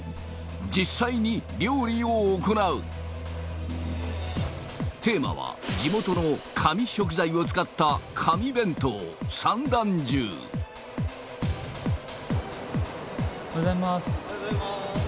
実際に料理を行うテーマは地元の神食材を使った神弁当三段重おはようございますおはようございます